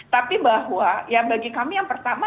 tapi bahwa ya bagi kami yang pertama